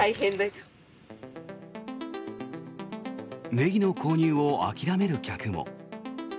ネギの購入を諦める客も。